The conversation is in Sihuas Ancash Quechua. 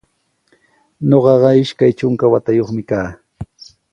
Ñuqaqa ishka trunka watayuqmi kaa.